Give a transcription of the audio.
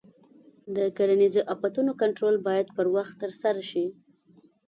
د کرنیزو آفتونو کنټرول باید پر وخت ترسره شي.